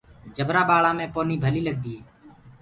جبرآ ٻآݪآنٚ مي پونيٚ ڀليٚ لگديٚ هي۔